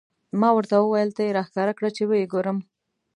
ما ورته وویل: ته یې را ښکاره کړه، چې و یې ګورم.